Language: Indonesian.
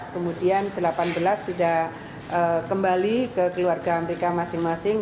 kemudian delapan belas sudah kembali ke keluarga mereka masing masing